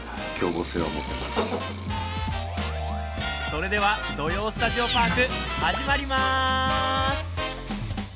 それでは「土曜スタジオパーク」始まりまーす！